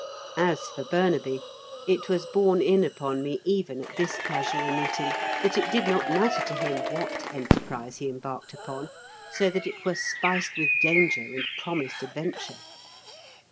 As for Burnaby, it was borne in upon me, even at this casual meeting, that it did not matter to him what enterprise he embarked upon, so that it were spiced with danger and promised adventure.